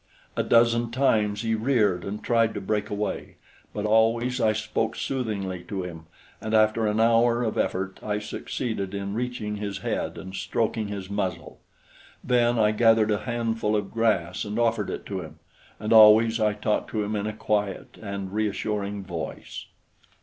A dozen times he reared and tried to break away; but always I spoke soothingly to him and after an hour of effort I succeeded in reaching his head and stroking his muzzle. Then I gathered a handful of grass and offered it to him, and always I talked to him in a quiet and reassuring voice.